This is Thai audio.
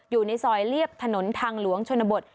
อยู่ในซอยเรียบถนนทางหลวงชนบท